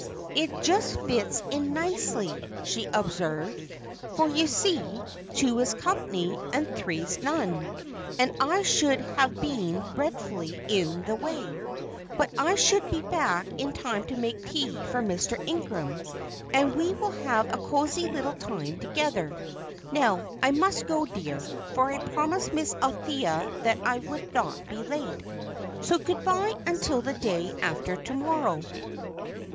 "It just fits in nicely," she observed; "for, you see, two is company, and three's none, and I should have been dreadfully in the way. But I shall be back in time to make tea for Mr. Ingram, and we will have a cosy little time together. Now I must go, dear, for I promised Miss Althea that I would not be late. So good bye until the day after to morrow."